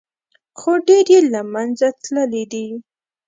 خو ډېر یې له منځه تللي دي.